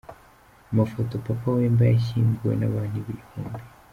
Amafoto: Papa Wemba yashyinguwe n’abantu ibihumbi .